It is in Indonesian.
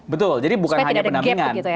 betul jadi bukan hanya pendampingan